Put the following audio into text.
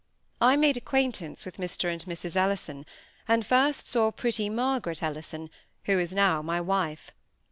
I made acquaintance with Mr and Mrs Ellison, and first saw pretty Margaret Ellison, who is now my wife.